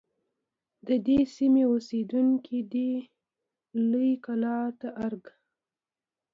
د دې سیمې اوسیدونکي دی لویې کلا ته ارگ